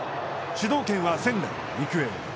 主導権は仙台育英。